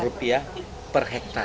rupiah per hektare